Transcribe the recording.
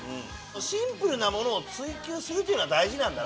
シンプルなものを追求するっていうのは大事なんだなって。